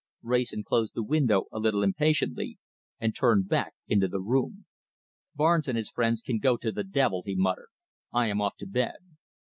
Wrayson closed the window a little impatiently, and turned back into the room. "Barnes and his friends can go to the devil," he muttered. "I am off to bed."